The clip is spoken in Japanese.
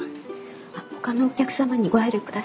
ほかのお客様にご配慮ください。